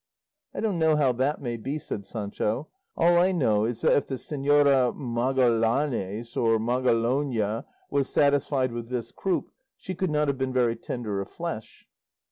"I don't know how that may be," said Sancho; "all I know is that if the Señora Magallanes or Magalona was satisfied with this croup, she could not have been very tender of flesh."